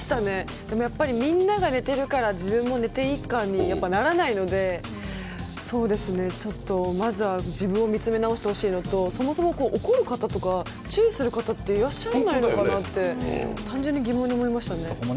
でもみんなが寝てるから自分も寝ていいにはならないのでちょっとまずは自分を見つめなおしてほしいのとそもそも怒る方とか注意する方っていらっしゃらないのかなって単純に疑問に思いましたね。